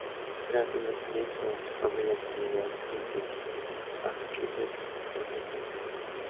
Tras su nacimiento, su familia se mudó a Springfield, Massachusetts, donde creció.